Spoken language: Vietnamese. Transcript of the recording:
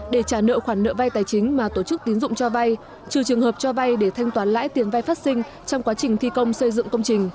để trả nợ khoản nợ vay tài chính mà tổ chức tín dụng cho vay trừ trường hợp cho vay để thanh toán lãi tiền vay phát sinh trong quá trình thi công xây dựng công trình